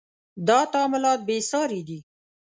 • دا تعاملات بې ساري دي.